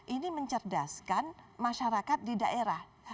ini mencerdaskan masyarakat di daerah